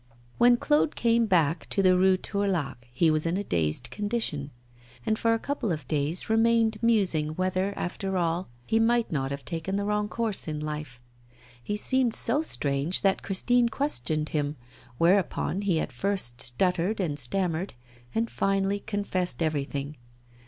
When Claude came back to the Rue Tourlaque he was in a dazed condition, and for a couple of days remained musing whether after all he might not have taken the wrong course in life. He seemed so strange that Christine questioned him, whereupon he at first stuttered and stammered, and finally confessed everything.